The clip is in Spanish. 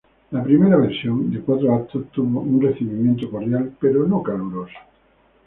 La primera versión, de cuatro actos, tuvo un recibimiento cordial pero no caluroso.